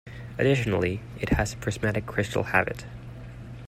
Additionally, it has a prismatic crystal habit.